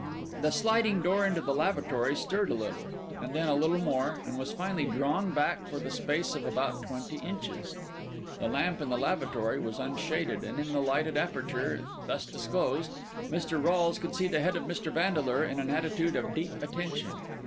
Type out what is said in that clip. The sliding door into the lavatory stirred a little, and then a little more, and was finally drawn back for the space of about twenty inches. The lamp in the lavatory was unshaded, and in the lighted aperture thus disclosed, Mr. Rolles could see the head of Mr. Vandeleur in an attitude of deep attention.